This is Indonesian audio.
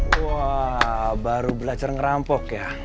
wah baru belajar ngerampok ya